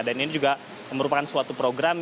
dan ini juga merupakan suatu program